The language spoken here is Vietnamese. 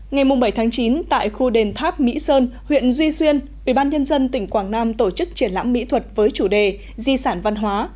ngày bảy chín tại khu đền tháp mỹ sơn huyện duy xuyên ubnd tỉnh quảng nam tổ chức triển lãm mỹ thuật với chủ đề di sản văn hóa